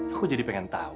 aku jadi pengen tahu